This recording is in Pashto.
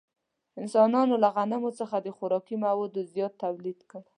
انسانانو له غنمو څخه د خوراکي موادو زیات تولید وکړ.